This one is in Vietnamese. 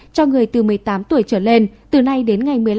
cho người từ một mươi tám tuổi trở lên từ nay đến ngày một mươi năm